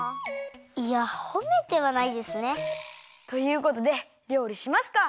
いやほめてはないですね。ということでりょうりしますか。